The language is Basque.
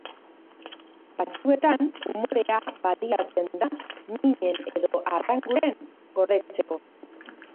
Batzuetan umorea baliatzen da minen edo arranguren gordetzeko.